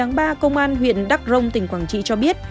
ngày một mươi ba công an huyện đắc rông tỉnh quảng trị cho biết